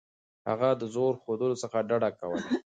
هغه د زور ښودلو څخه ډډه کوله.